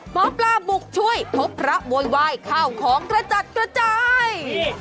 หมอปลาบุกช่วยพบพระโวยวายข้าวของกระจัดกระจาย